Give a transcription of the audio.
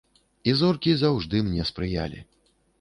І зоркі заўжды мне спрыялі.